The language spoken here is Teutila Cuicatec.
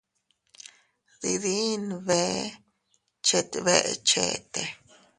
Diidin bee chet beʼe chete.